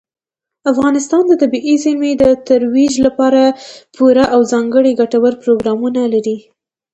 افغانستان د طبیعي زیرمې د ترویج لپاره پوره او ځانګړي ګټور پروګرامونه لري.